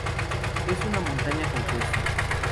Es una montaña compuesta.